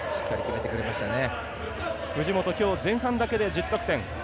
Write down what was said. きょうは前半だけで１０得点。